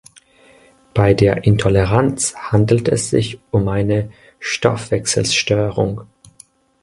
Bei der Intoleranz handelt es sich um eine Stoffwechselstörung.